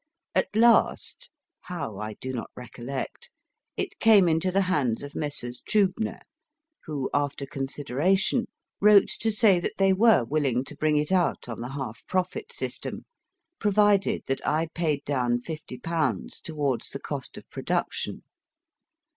At last how I do not recollect it came into the hands of Messrs. Triibner, who, after consideration, wrote to say that they were willing to bring it out on the half profit system, provided that I paid H. RIDER HAGGARD down fifty pounds towards the cost of production.